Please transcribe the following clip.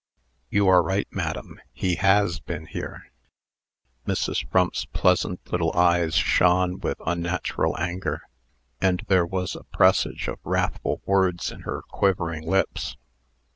"You are right, madam. He has been here." Mrs. Frump's pleasant little eyes shone with unnatural anger, and there was a presage of wrathful words in her quivering lips.